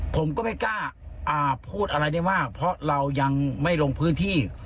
ผมก็ไม่กล้าพูดอะไรได้มากเพราะเรายังไม่ลงพื้นที่